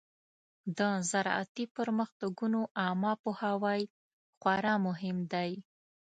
د زراعتي پرمختګونو عامه پوهاوی خورا مهم دی.